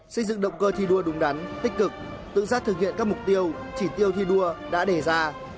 xây dựng động cơ thi đua đúng đắn tích cực tự giác thực hiện các mục tiêu chỉ tiêu thi đua đã đề ra